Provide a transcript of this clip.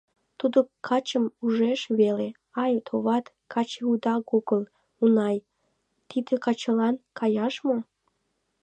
Тудо качым ужеш веле: «Ай, товат, каче уда огыл, унай, тиде качылан каяш мо?